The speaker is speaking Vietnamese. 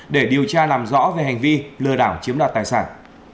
để điều tra làm rõ về hành vi lừa đảo chiếm đoạt tài sản